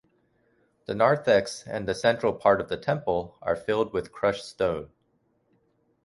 The narthex and the central part of the temple are filled with crushed stone.